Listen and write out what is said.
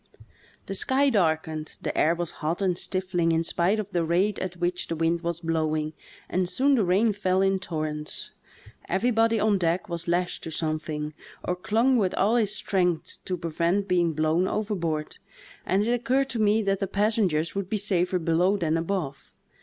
The sky darkened, the air was hot and stifling in spite of the rate at which the wind was blowing, and soon the rain fell in torrents. Everybody on deck was lashed to something, or clung with all his strength to prevent being blown overboard, and it occurred to me that the passengers would be safer below than above.